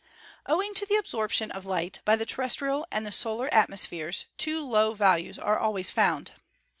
Owing to the absorption of light by the terrestrial and the solar at mospheres, too low values are always found.